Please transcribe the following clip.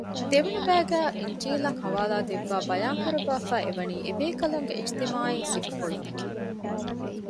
ދެވަނަ ބައިގައި އިންޖީލަށް ޙަވާލާދެއްވައި ބަޔާންކުރައްވައިފައިއެވަނީ އެބޭކަލުންގެ އިޖްތިމާޢީ ސިފަފުޅުތަކެއް